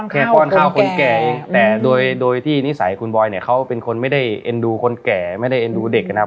ป้อนข้าวคนแก่เองแต่โดยที่นิสัยคุณบอยเนี่ยเขาเป็นคนไม่ได้เอ็นดูคนแก่ไม่ได้เอ็นดูเด็กนะครับ